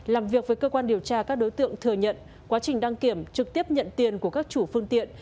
làm việc với cơ quan điều tra các đối tượng thừa nhận quá trình đăng kiểm trực tiếp nhận tiền của các chủ phương tiện